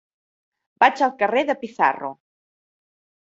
Vaig al carrer de Pizarro.